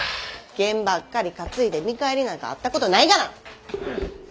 験ばっかり担いで見返りなんかあったことないがな！